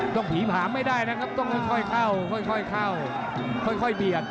ต้องผีผาไม่ได้นะครับต้องค่อยเข้าค่อยเบียด